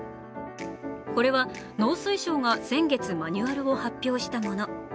これは農水省が先月、マニュアルを発表したもの。